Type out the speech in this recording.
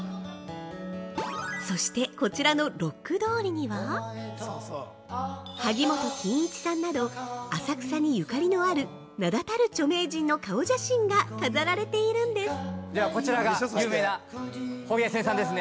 そしてこちらの六区通りには、萩本欽一さんなど、浅草にゆかりのある名だたる著名人の顔写真が飾られているんです！